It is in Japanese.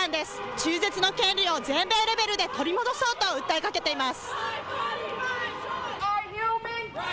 中絶の権利を全米レベルで取り戻そうと訴えかけています。